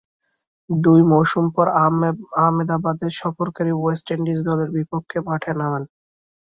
দুই মৌসুম পর আহমেদাবাদে সফরকারী ওয়েস্ট ইন্ডিজ দলের বিপক্ষে মাঠে নামেন।